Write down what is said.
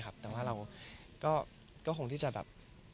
เขาผ่านที่จะแบบ